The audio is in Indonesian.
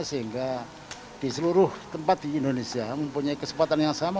sehingga di seluruh tempat di indonesia mempunyai kesempatan yang sama